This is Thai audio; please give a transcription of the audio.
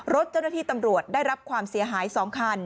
รถเจ้าหน้าที่ตำรวจได้รับความเสียหาย๒คัน